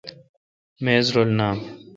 میز رل نام۔